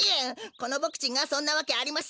このボクちんがそんなわけありません！